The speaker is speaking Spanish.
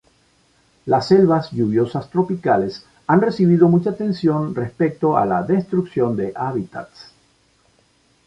Las selvas lluviosas tropicales han recibido mucha atención respecto a la destrucción de hábitats.